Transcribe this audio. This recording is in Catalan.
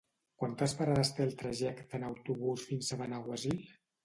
Quantes parades té el trajecte en autobús fins a Benaguasil?